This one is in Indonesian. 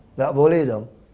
tidak boleh dong